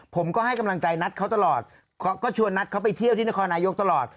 ผมก็ให้กำลังใจนัทเขาตลอดก็ชวนนัทเขาไปเที่ยวที่นครนายกตลอด